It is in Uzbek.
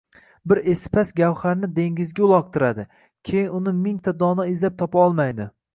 Bir esipast gavharni dengizga uloqtiradi, keyin uni mingta dono izlab topa olmaydi.